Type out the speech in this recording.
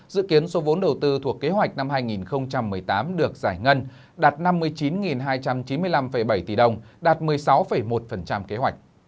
dự kiến số vốn đầu tư thuộc kế hoạch năm hai nghìn một mươi tám được giải ngân đạt năm mươi chín hai trăm chín mươi năm bảy tỷ đồng đạt một mươi sáu một kế hoạch